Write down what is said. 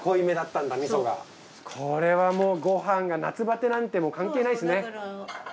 これはご飯が夏バテなんて関係ないですね。